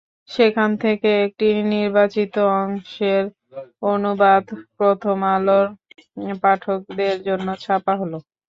সেখান থেকে একটি নির্বাচিত অংশের অনুবাদ প্রথম আলোর পাঠকদের জন্য ছাপা হলো।